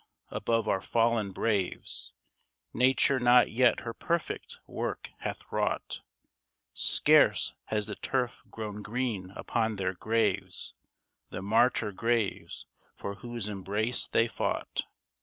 Above our fallen braves Nature not yet her perfect work hath wrought ; Scarce has the turf grown green upon their graves, The martyr graves for whose embrace they fought.